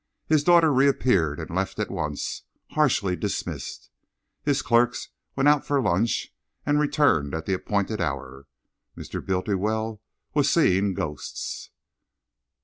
His daughter reappeared and left at once, harshly dismissed. His clerks went out for lunch and returned at the appointed hour. Mr. Bultiwell was seeing ghosts....